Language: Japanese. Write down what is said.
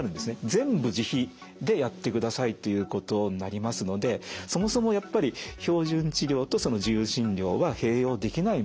全部自費でやってくださいということになりますのでそもそもやっぱり標準治療とその自由診療は併用できないもの。